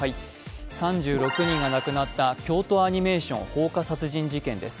３６人が亡くなった京都アニメーション放火殺人事件です。